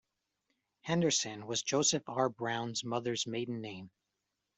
Henderson was Joseph R. Brown's mother's maiden name.